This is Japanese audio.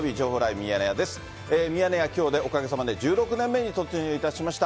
ミヤネ屋、きょうでおかげさまで１６年目に突入いたしました。